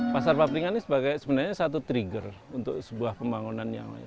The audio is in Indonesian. pasar papringan ini sebenarnya sebagai satu trigger untuk sebuah pembangunan nyawanya